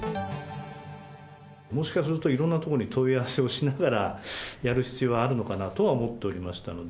もしかするといろんなところに問い合わせをしながらやる必要があるのかなとは思っておりましたので。